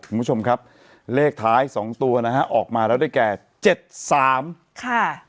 คุณผู้ชมครับเลขท้ายสองตัวนะฮะออกมาแล้วได้แก่เจ็ดสามค่ะ